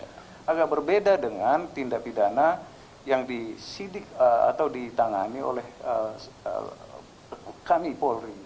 tapi itu tidak berbeda dengan tindak pidana yang disidik atau ditangani oleh kami polri